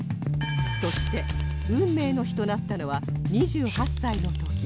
そして運命の日となったのは２８歳の時